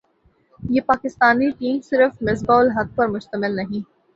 کہ پاکستانی ٹیم صرف مصباح الحق پر مشتمل نہیں